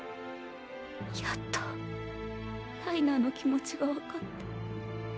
やっとライナーの気持ちがわかった。